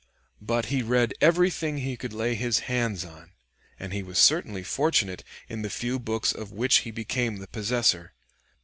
But he read everything he could lay his hands upon, and he was certainly fortunate in the few books of which he became the possessor.